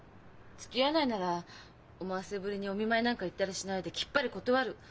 つきあわないなら思わせぶりにお見舞いなんか行ったりしないできっぱり断る。